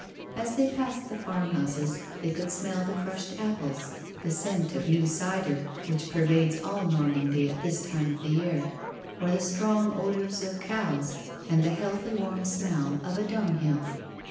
As they passed the farm houses, they could smell the crushed apples — that scent of new cider which pervades all Normandy at this time of the year — or the strong odour of cows and the healthy, warm smell of a dung hill.